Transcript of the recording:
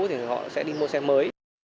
thì họ sẽ đi mua xe mới